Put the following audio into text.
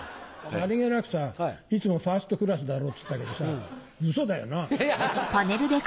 さりげなくさいつもファーストクラスだろっつったけどさウソだよな。